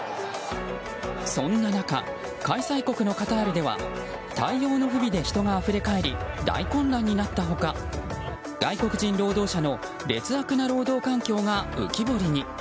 そんな中開催国のカタールでは対応の不備で人があふれかえり大混乱になった他外国人労働者の劣悪な労働環境が浮き彫りに。